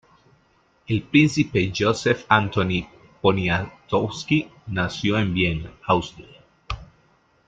El Príncipe Józef Antoni Poniatowski nació en Viena, Austria.